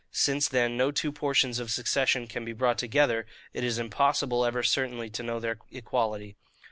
Since then no two portions of succession can be brought together, it is impossible ever certainly to know their equality.